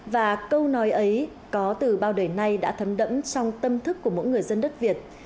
và câu nói ấy có từ bao đời nay đã thấm đẫm trong tâm thức của mỗi người dân đất việt